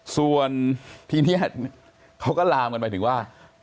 ส่วนทีนี้เขาก็ลามกันไปถึงว่า